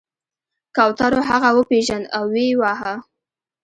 کوترو هغه وپیژند او ویې واهه.